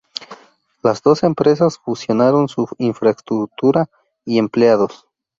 Las dos empresas fusionaron su infraestructura y empleados.